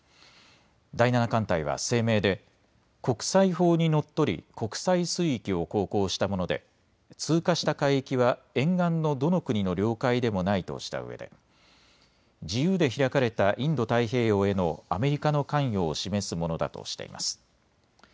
第７艦隊は声明で国際法にのっとり国際水域を航行したもので通過した海域は沿岸のどの国の領海でもないとしたうえで自由で開かれたインド太平洋へのアメリカの関与を示すものだとしています。